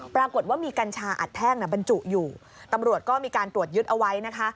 ปรากฏว่ามีกัญชาอัดแท่งบรรจุอยู่ตำรวจก็มีการตรวจยึดเอาไว้นะคะ